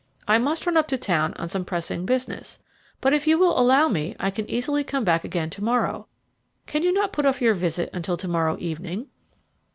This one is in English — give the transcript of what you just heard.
I must run up to town on some pressing business; but if you will allow me I can easily come back again to morrow. Can you not put off your visit until to morrow evening?"